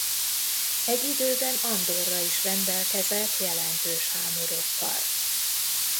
Egy időben Andorra is rendelkezett jelentős hámorokkal.